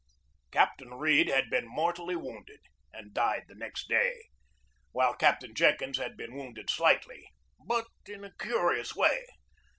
Captain Read had been mortally wounded and died the next day, while Captain Jenkins had been wounded slightly, but in a curious way.